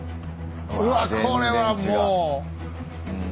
うわこれはもう。